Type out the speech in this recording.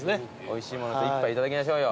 おいしいものと１杯頂きましょう。